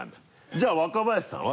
じゃあ若林さんは？